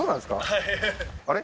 はいあれ？